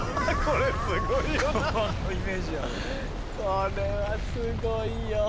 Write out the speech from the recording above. これはすごいよ。